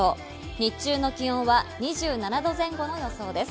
日中の気温は２７度前後の予想です。